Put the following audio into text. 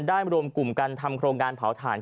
ได้รวมเป็นกลุ่มกันทำโครงงานเผาธาตุ